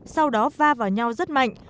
sau đó va vào nhau rất mạnh